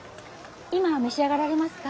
今召し上がられますか？